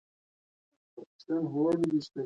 هغه سمدستي حرکت وکړ.